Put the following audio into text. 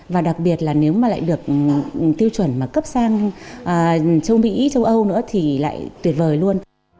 và trong mỹ trong âu nữa thì lại tuyệt vời luôn